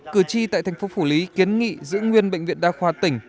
cử tri tại thành phố phủ lý kiến nghị giữ nguyên bệnh viện đa khoa tỉnh